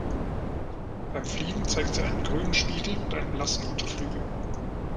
Beim Fliegen zeigt sie einen grünen Spiegel und einen blassen Unterflügel.